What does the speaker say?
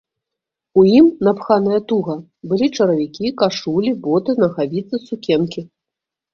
У ім, напханыя туга, былі чаравікі, кашулі, боты, нагавіцы, сукенкі.